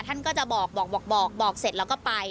ท่านก็จะบอกบอกเสร็จแล้วก็ไป